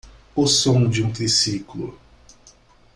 O som de um triciclo